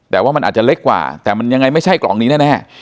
แต่ว่ามันอาจจะเล็กกว่าแต่มันยังไงไม่ใช่กล่องนี้แน่